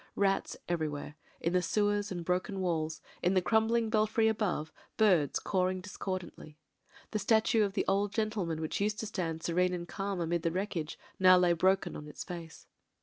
Rats everywhere, in the sewers and broken walls; in the crumbling belfry above birds, cawing discordantly. The statue of the old gentleman which used to stand serene and calm amidst the wreck age, now lay broken on its face.